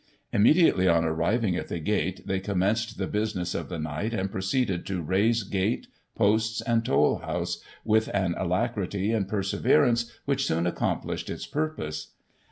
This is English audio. Immediately on arriving at the gate, they commenced the business of the night, and proceeded to raze gate, posts, and tollhouse, with an alacrity and perseverance which soon accomplished its purpose.